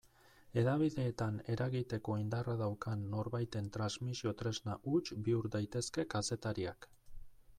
Hedabideetan eragiteko indarra daukan norbaiten transmisio-tresna huts bihur daitezke kazetariak.